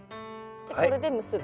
でこれで結ぶ。